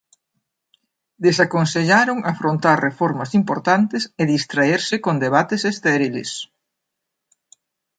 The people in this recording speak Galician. Desaconsellaron afrontar reformas importantes e distraerse con debates estériles.